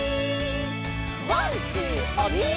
「ワンツーおみみ！」